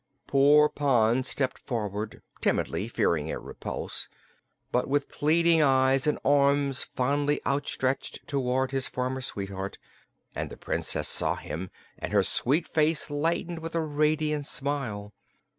Poor Pon stepped forward timidly, fearing a repulse, but with pleading eyes and arms fondly outstretched toward his former sweetheart and the Princess saw him and her sweet face lighted with a radiant smile.